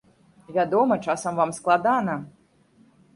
Вядома, часам вам складана.